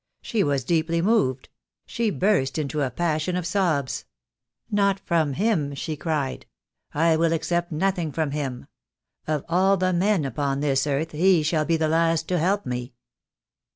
She was deeply moved. She burst into a passion of sobs. 'Not from him,' she cried, 'I will accept nothing from him. Of all the men upon this earth he shall be the last to help me!'"